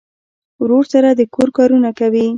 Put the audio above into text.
ورور سره د کور کارونه کوي.